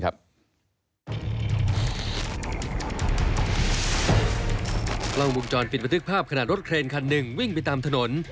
ร่างมุมจรปิดประทึกภาพขนาดรถเครนคันหนึ่งวิ่งไปตามถนน